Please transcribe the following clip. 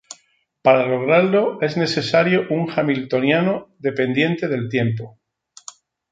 Para lograrlo es necesario un hamiltoniano dependiente del tiempo.